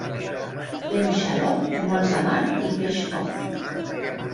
Vent xaloc, molta mar i peix poc.